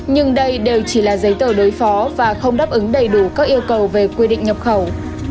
nhưng đây đều chỉ là giấy tờ đối phó và không đáp ứng đầy đủ các yêu cầu về quy định nhập khẩu